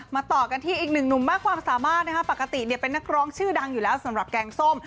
ต่อกันที่อีกหนึ่งหนุ่มมากความสามารถนะคะปกติเนี่ยเป็นนักร้องชื่อดังอยู่แล้วสำหรับแกงส้ม